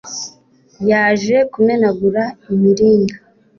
yaje kumenagura imiringa